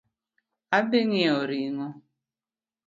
Adhi ng'iewo ring'o